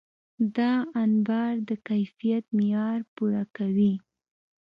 دا انبار د کیفیت معیار پوره کوي.